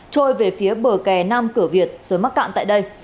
trôi về phía bờ kè nam cửa việt rồi mắc cạn tại đây